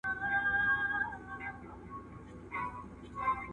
مطالعه نه یوازې د معلوماتو خزنې ده، بلکې د خلاقیت زیاتولو لامل هم ده.